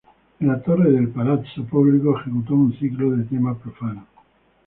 En la torre del Palazzo Publico ejecutó un ciclo de tema profano.